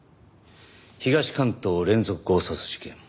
東関東連続強殺事件。